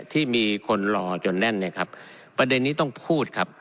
ที่มีคนรอจนแน่นเนี่ยครับประเด็นนี้ต้องพูดครับ